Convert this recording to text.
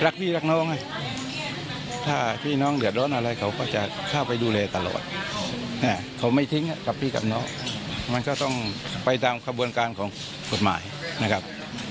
เขาไม่ทิ้งกับพี่กับน้องมันก็ต้องไปตามขบวนการของกฎหมายนะครับ